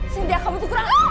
sintia kamu cukuran